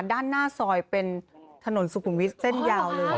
ด้านหน้าซอยเป็นถนนสุขุมวิทย์เส้นยาวเลย